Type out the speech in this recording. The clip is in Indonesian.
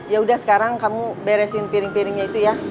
yaudah sekarang kamu beresin piring piringnya itu ya